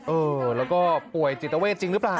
เออแล้วก็ป่วยจิตเวทจริงหรือเปล่า